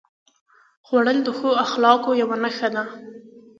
خوړل د ښو اخلاقو یوه نښه ده